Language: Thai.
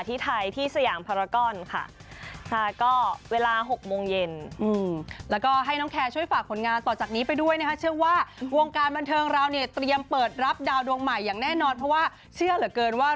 ที่ไทยที่สยามพรกรค่ะ